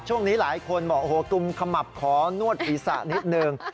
ช่วงนี้หลายคนบอกโอ้โหกุมขมับขอนวดศีรษะนิดนึง